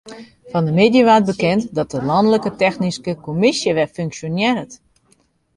Fan 'e middei waard bekend dat de lanlike technyske kommisje wer funksjonearret.